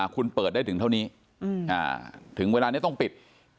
คุณเปิดได้ถึงเท่านี้ถึงเวลานี้ต้องปิด